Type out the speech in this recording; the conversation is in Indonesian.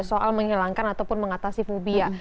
soal menghilangkan ataupun mengatasi fobia